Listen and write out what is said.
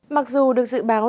mặc dù được dự báo